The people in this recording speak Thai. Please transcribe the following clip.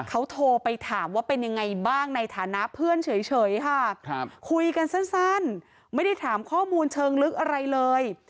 เขาโทรไปถามว่าเป็นยังไงบ้างในฐานะเพื่อนเฉยค่ะคุยกันสั้นไม่ได้ถามข้อมูลเชิงลึกอะไรเลย